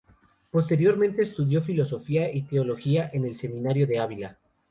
Posteriormente estudió Filosofía y Teología en el Seminario de Ávila.